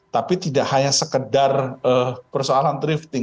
tapi tidak hanya sekedar persoalan drifting